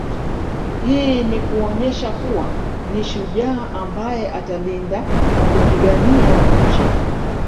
Hii ni kuonesha kuwa ni shujaa ambaye atalinda na kupigania nchi